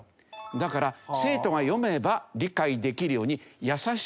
だから生徒が読めば理解できるように優しくする。